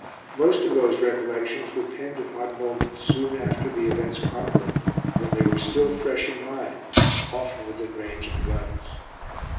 Most of those recollections were penned at odd moments, soon after the events chronicled, when they were still fresh in mind, often within range of the guns.